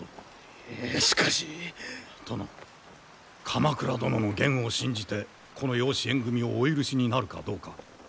鎌倉殿の言を信じてこの養子縁組みをお許しになるかどうか。